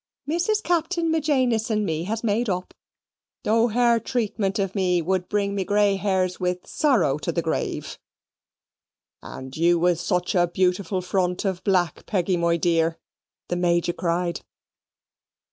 "Mrs. Captain Magenis and me has made up, though her treatment of me would bring me gray hairs with sorrow to the grave." "And you with such a beautiful front of black, Peggy, my dear," the Major cried.